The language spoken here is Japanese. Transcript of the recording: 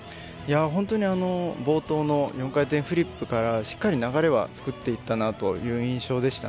本当に冒頭の４回転フリップからしっかり流れは作っていったという印象でした。